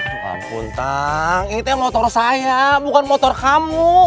tuhan pun tang itu yang motor saya bukan motor kamu